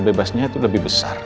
kenapa dihentikan aja